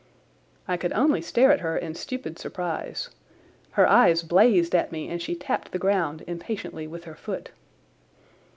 I could only stare at her in stupid surprise. Her eyes blazed at me, and she tapped the ground impatiently with her foot.